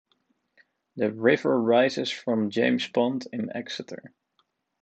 The river rises from James Pond in Exeter.